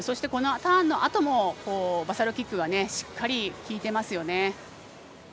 ターンのあともバサロキックがしっかり効いてますよね。